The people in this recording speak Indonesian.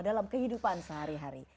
dalam kehidupan sehari hari